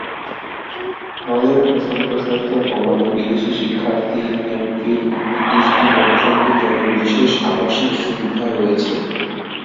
হলের সম্প্রসারিত ভবনে বিদেশি শিক্ষার্থী, এমফিল ও পিএইচডি গবেষকদের জন্য বিশেষ আবাসিক সুবিধা আছে।